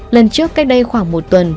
lần trước cách đây khoảng một tuần